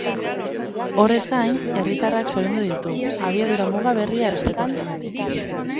Horrez gain, herritarrak zoriondu ditu, abiadura muga berria errespetatzeagatik.